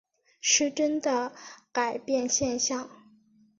失真的改变现象。